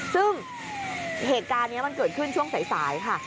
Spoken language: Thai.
ซึ่งเหตุการณ์นี้มันเกิดขึ้นช่วงสายค่ะ